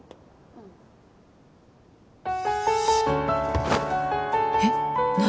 うんえっ何？